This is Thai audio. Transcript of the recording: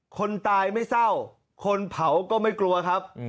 คนตายไม่เศร้าคนเผาก็ไม่กลัวครับ